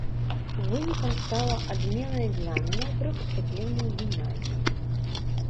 Вынікам стала адмена экзаменаў пры паступленні ў гімназіі.